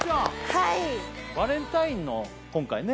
はいバレンタインの今回ね